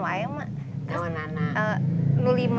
saya sudah lima tahun